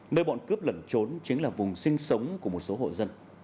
nơi bọn cướp lẩn trốn chính là vùng sinh sống của một số hộ dân